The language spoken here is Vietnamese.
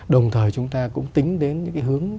đồng thời chúng ta cũng tính đến những cái hướng